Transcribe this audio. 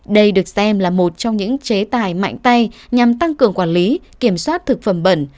đây được xem là một trong những chế tài mạnh tay nhằm tăng cường quản lý kiểm soát thực phẩm bẩn